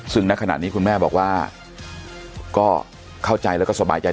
ซึ่งณขณะนี้คุณแม่บอกว่าก็เข้าใจแล้วก็สบายใจ